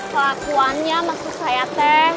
kelakuannya maksud saya teh